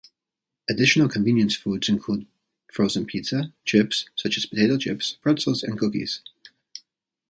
Additional convenience foods include frozen pizza, chips such as potato chips, pretzels, and cookies.